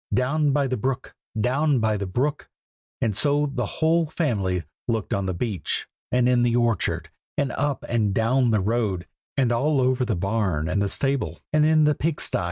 "Down by the brook! down by the brook!" and so the whole family looked on the beach, and in the orchard, and up and down the road, and all over the barn and the stable, and in the pig sty.